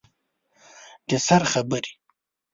د سر خبرې